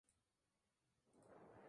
Vive en Australia.